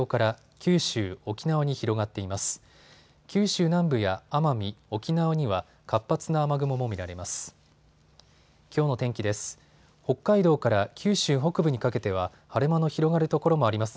九州南部や奄美、沖縄には活発な雨雲も見られます。